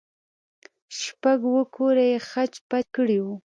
شپږ اوه کوره يې خچ پچ کړي وو.